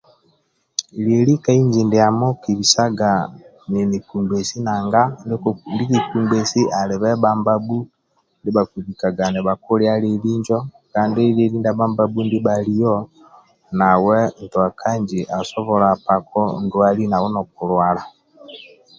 Lieli ka inji ndiamo nkibisaga nini kungbesi nanga ndie kikpungbesi alibhe bhambabhu ndibha kibikaga nibha kiliya lieli injo Kandi lieli ndia bhambabhu bhaliya nawe Ntua kanji asobhila pako ndwali nawe nokulwala